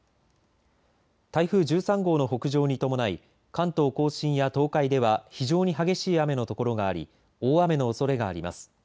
台風１３号の北上に伴い関東甲信や東海では非常に激しい雨のところがあり大雨のおそれがあります。